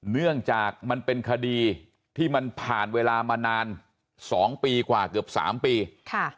เนื่องจากมันเป็นคดีที่มันผ่านเวลามานานสองปีกว่าเกือบสามปีค่ะ